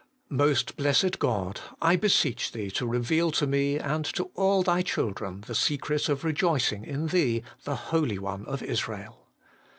Most Blessed God ! I beseech JChee to reveal to me and to all Thy children the secret of rejoicing in Thee, the Holy One of Israel.